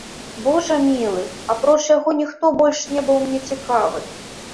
Божа мілы, апроч яго, ніхто больш не быў мне цікавы.